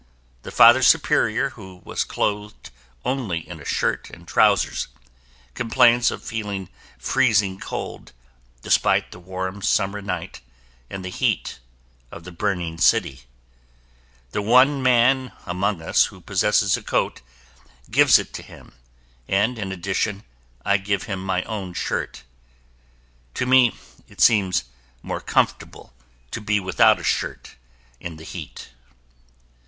The Father Superior who was clothed only in a shirt and trousers, complains of feeling freezing cold, despite the warm summer night and the heat of the burning city. The one man among us who possesses a coat gives it to him and, in addition, I give him my own shirt. To me, it seems more comfortable to be without a shirt in the heat.